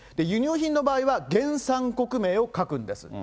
輸入品の場合は原産国名を書くんです。